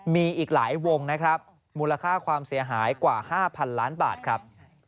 มีอีกหลายวงนะครับมูลค่าความเสียหายกว่า๕๐๐๐ล้านบาทครับ